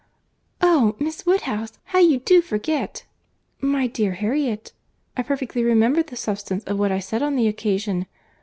"Oh! Miss Woodhouse, how you do forget!" "My dear Harriet, I perfectly remember the substance of what I said on the occasion.